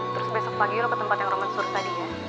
terus besok pagi lo ke tempat yang roman suruh tadi ya